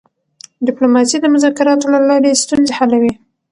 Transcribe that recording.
ډیپلوماسي د مذاکراتو له لارې ستونزې حلوي.